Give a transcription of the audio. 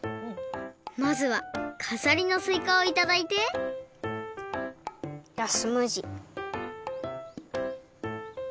まずはかざりのすいかをいただいてじゃあスムージー。